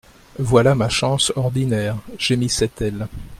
Voilà ma chance ordinaire ! gémissait-elle.